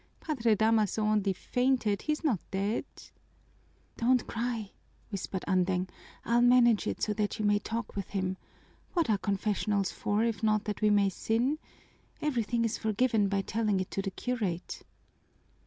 Padre Damaso only fainted, he's not dead." "Don't cry," whispered Andeng. "I'll manage it so that you may talk with him. What are confessionals for if not that we may sin? Everything is forgiven by telling it to the curate."